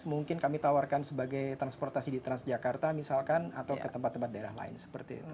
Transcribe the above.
mungkin kami tawarkan sebagai transportasi di transjakarta misalkan atau ke tempat tempat daerah lain seperti itu